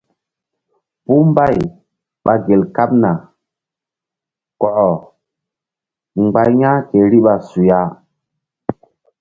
Puh mbay ɓa gel kaɓ na kɔkɔ mgba ya̧h ke riɓa suya.